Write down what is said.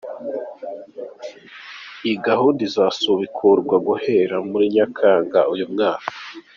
Iyi gahunda izasubukurwa guhera muri Nyakanga uyu mwaka.